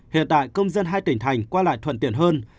hiện tại công dân hai tỉnh thành qua lại thuận tiện hơn